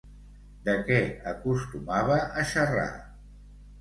De què acostumava a xerrar?